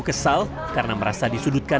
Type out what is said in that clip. kesal karena merasa disudutkan